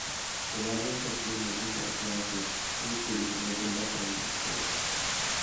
ئۇلارنىڭ كەسپىي مۇزىكا ئەسلىھەسى يوق، سۇ چېلىكىنى دۇمباق ئورنىدا ئىشلىتىدۇ.